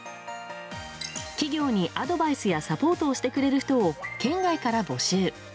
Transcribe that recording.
企業にアドバイスやサポートをしてくれる人を県外から募集。